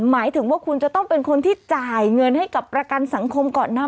หมายถึงว่าคุณจะต้องเป็นคนที่จ่ายเงินให้กับประกันสังคมก่อนนะ